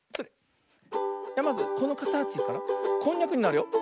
まずこのかたちからこんにゃくになるよ。